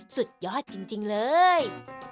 สุดยอดจริงเลย